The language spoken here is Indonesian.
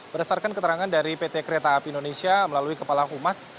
berdasarkan keterangan dari pt kereta api indonesia melalui kepala humas